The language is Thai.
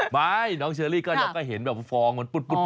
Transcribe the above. ไม่น้องเชอรี่ก็เห็นแบบฟองมันปุ๊ดขึ้นมา